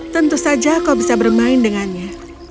tentu saja kau bisa bermain dengannya